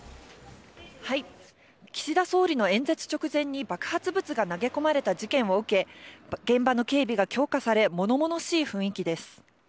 岸田総理の演説直前に爆発物が投げ込まれた事件を受け、現場の警備が強化され、ものものしい雰囲気です。